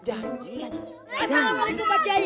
assalamualaikum pak kiai